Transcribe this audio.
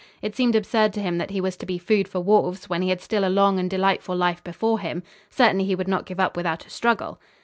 It seemed absurd to him that he was to be food for wolves when he had still a long and delightful life before him. Certainly he would not give up without a struggle.